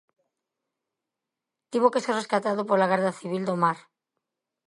Tivo que ser rescatado pola Garda Civil do Mar.